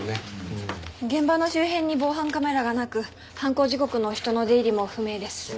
現場の周辺に防犯カメラがなく犯行時刻の人の出入りも不明です。